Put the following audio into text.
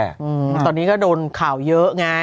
คือตอนนี้ก็โดนข่าวเยอะไง